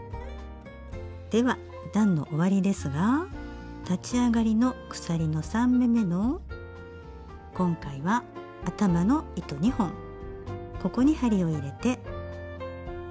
では段の終わりですが立ち上がりの鎖の３目めの今回は頭の糸２本ここに針を入れて。